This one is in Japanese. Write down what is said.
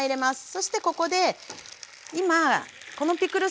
そしてここで今このピクルス